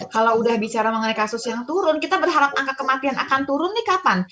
kalau udah bicara mengenai kasus yang turun kita berharap angka kematian akan turun nih kapan